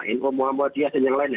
in'omu'amu'adiyah dan yang lainnya